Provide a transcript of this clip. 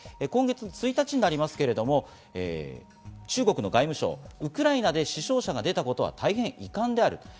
今月１日になりますが、中国の外務省、ウクライナで死傷者が出たことは大変遺憾である。